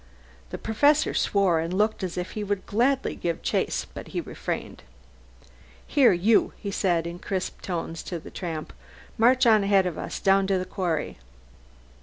The Professor swore, and looked as if he would gladly give chase, but he refrained. "Here, you," he said in crisp tones to the tramp, "march on ahead of us, down to the quarry."